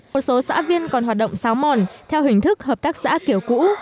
một số xã viên còn hoạt động sáo mòn theo hình thức hợp tác xã kiểu cũ